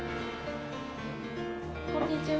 こんにちは。